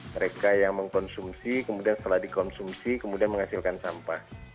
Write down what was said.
mereka yang mengkonsumsi kemudian setelah dikonsumsi kemudian menghasilkan sampah